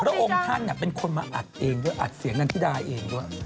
เพราะโอ้มท่านเป็นคนมาอัดเพลงเองเพื่ออัดเสียงเนนติดาเองด้วย